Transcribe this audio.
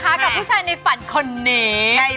กลับมาต่อนะคะกับผู้ชายในฝันคนนี้